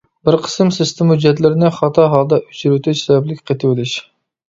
بىر قىسىم سىستېما ھۆججەتلىرىنى خاتا ھالدا ئۆچۈرۈۋېتىش سەۋەبلىك قېتىۋېلىش.